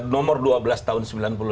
nomor dua belas tahun sembilan puluh lima